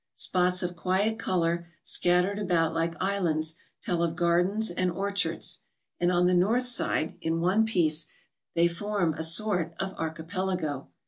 Spots of quiet colour scattered about like islands tell of gardens and orchards; and on the north side, in one place, they form a sort of archipelago.